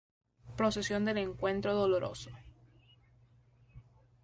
Procesión del Encuentro Doloroso.